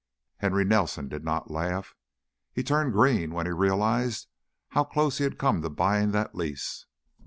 Henry Nelson did not laugh. He turned green when he realized how close he had come to buying that lease.